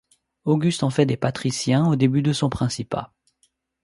Auguste en fait des patriciens au début de son principat.